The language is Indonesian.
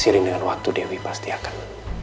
seiring dengan waktu dewi pasti akan